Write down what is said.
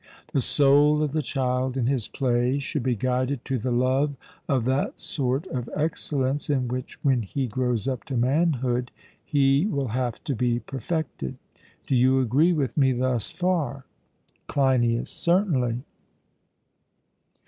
The soul of the child in his play should be guided to the love of that sort of excellence in which when he grows up to manhood he will have to be perfected. Do you agree with me thus far? CLEINIAS: Certainly.